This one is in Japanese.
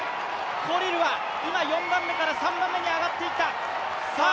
コリルは４番目から３番目に上がっていった。